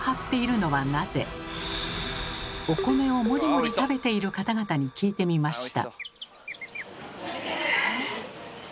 お米をもりもり食べている方々に聞いてみました。